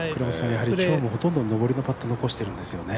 やはり今日もほとんど上りのパット残しているんですよね。